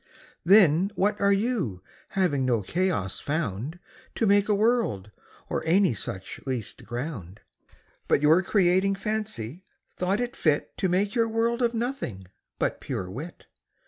Then what are You, having no Chaos found To make a World, or any such least ground? But your Creating Fancy, thought it fit To make your World of Nothing, but pure Wit.